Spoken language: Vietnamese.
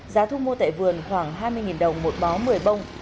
giá thu mua tại vườn khoảng hai mươi đồng một bó một mươi bông